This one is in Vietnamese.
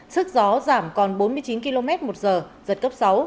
sức gió giảm còn bốn mươi chín km một giờ giật cấp sáu